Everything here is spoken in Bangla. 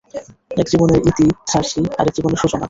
এক জীবনের ইতি, সার্সি, আরেক জীবনের সূচনা।